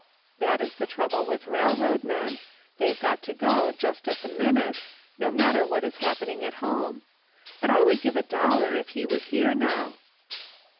That is the trouble with railroad men; they've got to go just at the minute, no matter what is happening at home ; but I would give a dollar if he was here now."